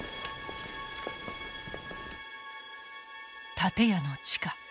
建屋の地下。